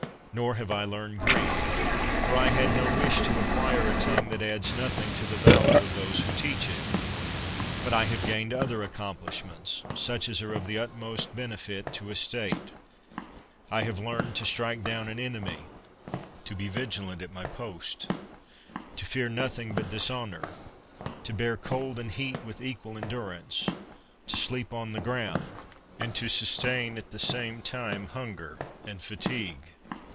Nor have I learned Greek; for I had no wish to acquire a tongue that adds nothing to the valor of those who teach it. But I have gained other accom plishments, such as are of tite utmost benefit to a state: I have learned to strike down an enemy; to be vigilant at my i)ost; to fear nothing but dishonor; to bear cold and heat with equal en durance; to sleep on the ground; and to sus tain at the same time hunger and fatigue.